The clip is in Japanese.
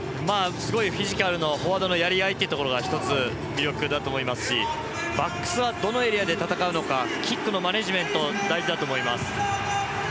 すごいフィジカルのフォワードのやり合いというところが１つ魅力だと思いますしバックスはどのエリアで戦うのかキックのマネージメントが大事だと思います。